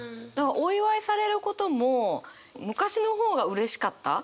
お祝いされることも昔の方がうれしかった。